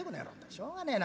しょうがねえな。